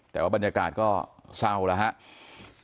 แต่ว่าบรรยากาศก็เศร้าแล้วครับ